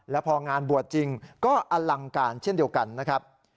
แล้วพองานบวชจริงก็อลังการเช่นเดียวกันนะครับ